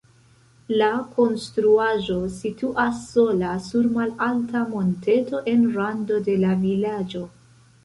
La konstruaĵo situas sola sur malalta monteto en rando de la vilaĝo.